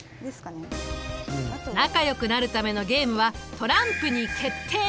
仲良くなるためのゲームはトランプに決定！